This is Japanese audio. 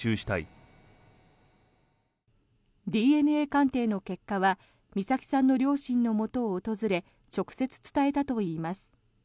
ＤＮＡ鑑定の結果は美咲さんの両親のもとを訪れ直接伝えたといいます。